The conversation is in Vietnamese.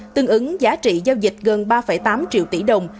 tương ứng giá trị giao dịch gần ba tám triệu tỷ đồng